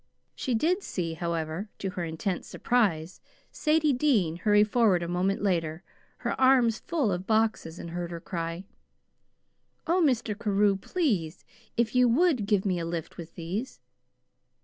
She did see, however, to her intense surprise, Sadie Dean hurry forward a moment later, her arms full of boxes, and heard her cry: "Oh, Mr. Carew, please, if you WOULD give me a lift with these!"